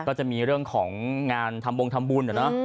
ก็จะมีเรื่องของงานทำวงทำบุญ